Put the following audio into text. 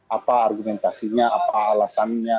apa argumentasinya apa alasannya